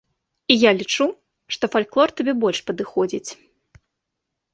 І я лічу, што фальклор табе больш падыходзіць.